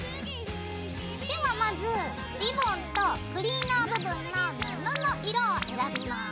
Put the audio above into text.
ではまずリボンとクリーナー部分の布の色を選びます。